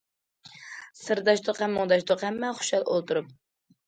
سىرداشتۇق ھەم مۇڭداشتۇق، ھەممە خۇشال ئولتۇرۇپ.